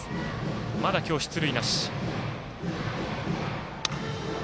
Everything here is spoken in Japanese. まだ、今日出塁なし。